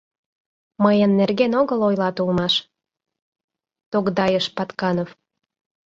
«Мыйын нерген огыл ойлат улмаш», — тогдайыш Патканов.